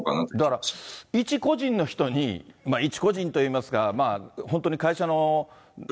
だから一個人の人に一個人といいますか、まあ本当に会社の。